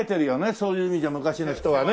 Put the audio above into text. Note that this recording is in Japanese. そういう意味じゃ昔の人はね。